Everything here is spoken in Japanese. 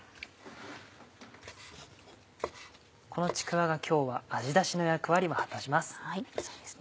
このちくわが今日は味出しの役割を果たします。